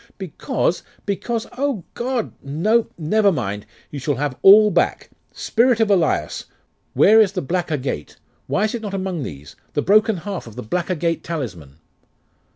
'Because because O God! No never mind! You shall have all back. Spirit of Elias! where is the black agate? Why is it not among these? The broken half of the black agate talisman!